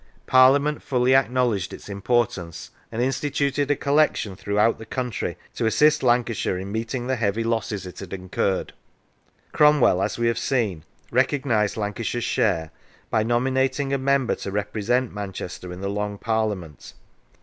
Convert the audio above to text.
Parliament fully acknowledged its importance and instituted a collection throughout the country to assist Lancashire in meeting the heavy losses it had incurred. Cromwell, as we have seen, recognised Lancashire's share by nominating a member to re present Manchester in the Long Parliament.